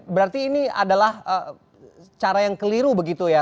berarti ini adalah cara yang keliru begitu ya